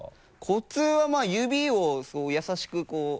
コツはまぁ指を優しくこう。